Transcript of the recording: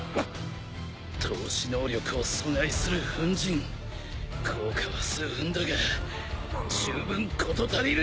透視能力を阻害する粉塵効果は数分だが十分事足りる。